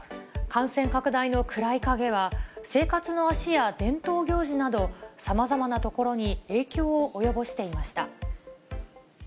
感染拡大の暗い影は、生活の足や伝統行事など、さまざまな所に影響を及ぼしていました。